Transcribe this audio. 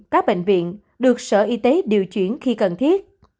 các bệnh viện được sở y tế điều chuyển khi cần thiết